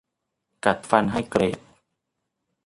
กัดฟันให้เกรด